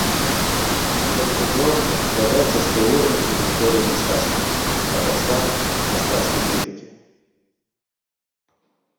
Мастацтвазнаўства складаецца з тэорыі і гісторыі мастацтва, а таксама мастацкай крытыкі.